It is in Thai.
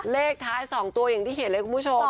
เลขท้าย๒ตัวอย่างที่เห็นเลยคุณผู้ชม